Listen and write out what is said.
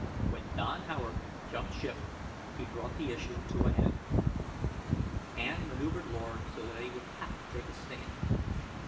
When Don Howard jumped ship, he brought the issue to a head. Ann maneuvered Lord so that he would have to take a stand.